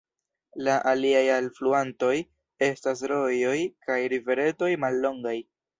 La aliaj alfluantoj estas rojoj kaj riveretoj mallongaj.